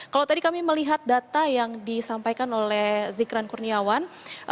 kalau tadi kami melihat data yang disampaikan oleh zikran kurniawan